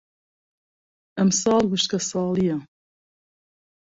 ئەم ساڵ وشکە ساڵییە.